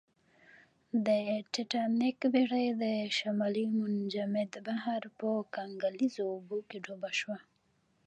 د ټیټانیک بېړۍ د شمالي منجمند بحر په کنګلیزو اوبو کې ډوبه شوه